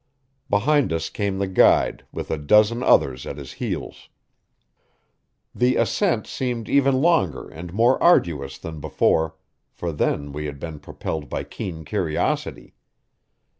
Behind us came the guide, with a dozen others at his heels. The ascent seemed even longer and more arduous than before, for then we had been propelled by keen curiosity.